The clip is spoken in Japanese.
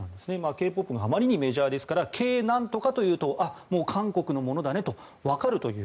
Ｋ‐ＰＯＰはあまりにメジャーですからＫ何とかというともう韓国のものだねと分かるという。